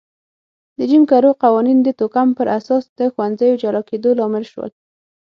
د جیم کرو قوانین د توکم پر اساس د ښوونځیو جلا کېدو لامل شول.